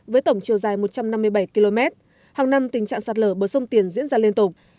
với tổng chiều dài một trăm năm mươi bảy km hàng năm tình trạng sạt lở bờ sông tiền diễn ra liên tục